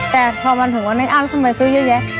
แต่พอมันถึงวันนี้เราต้องไปซื้อเยอะแยะ